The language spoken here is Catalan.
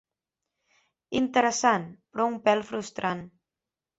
Interessant, però un pèl frustrant.